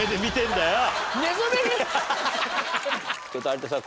ちょっと有田さん